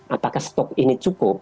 apakah stok ini cukup